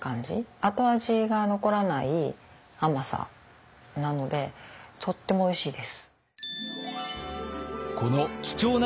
後味が残らない甘さなのでとってもおいしいです。